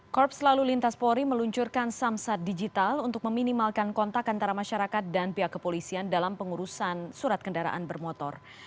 korps lalu lintas polri meluncurkan samsat digital untuk meminimalkan kontak antara masyarakat dan pihak kepolisian dalam pengurusan surat kendaraan bermotor